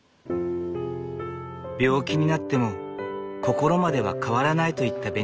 病気になっても心までは変わらないと言ったベニシアさん。